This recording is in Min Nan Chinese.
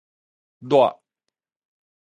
熱